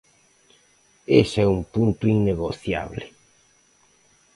Ese é un punto innegociable.